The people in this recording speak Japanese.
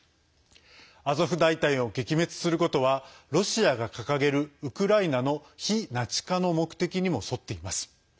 アゾフ大隊を撃滅することはロシアが掲げるウクライナの非ナチ化の目的にも沿っています。